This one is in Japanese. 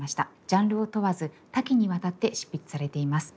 ジャンルを問わず多岐にわたって執筆されています。